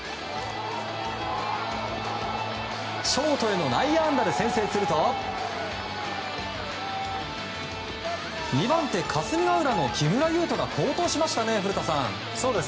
ショートへの内野安打で先制すると２番手、霞ケ浦の木村優人が好投でしたね、古田さん。